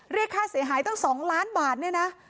เรียกค่าเสียหายตั้ง๒ล้านบาทเนี่ยนะ